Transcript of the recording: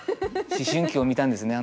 思春期を見たんですね